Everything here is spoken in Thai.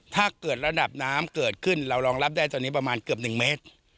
ระดับน้ำเกิดขึ้นเรารองรับได้ตอนนี้ประมาณเกือบ๑เมตร